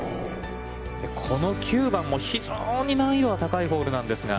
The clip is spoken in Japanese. この９番も非常に難易度が高いホールなんですが。